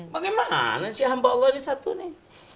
bagaimana sih alhamdulillah ini satu nih